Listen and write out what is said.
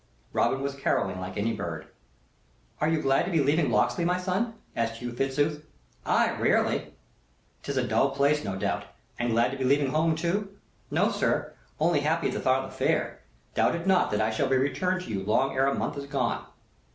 Robin was carolling like any bird. "Are you glad to be leaving Locksley, my son?" asked Hugh Fitzooth. "Ay, rarely!" "'Tis a dull place, no doubt. And glad to be leaving home too?" "No, sir; only happy at the thought of the Fair. Doubt it not that I shall be returned to you long ere a month is gone."